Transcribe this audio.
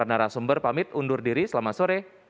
dan para narasumber pamit undur diri selama sore